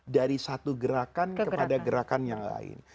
dari satu gerakan kepada gerakan yang lain